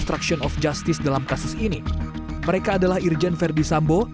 ostruction of justice dalam kasus ini mereka adalah irjen verdi sambo